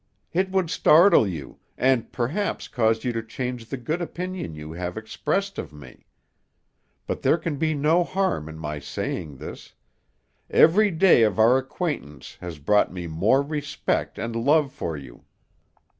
"It would startle you, and perhaps cause you to change the good opinion you have expressed of me; but there can be no harm in my saying this every day of our acquaintance has brought me more respect and love for you.